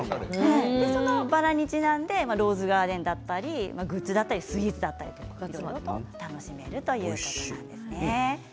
そのバラにちなんでローズガーデンだったりグッズだったりスイーツだったり楽しめるということです。